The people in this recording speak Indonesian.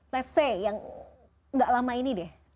let's say yang enggak lama ini deh